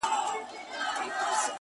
ستا دی که قند دی _